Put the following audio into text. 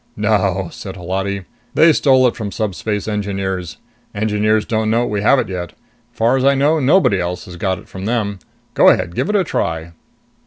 "No," said Holati. "They stole it from Subspace Engineers. Engineers don't know we have it yet. Far as I know, nobody else has got it from them. Go ahead give it a try."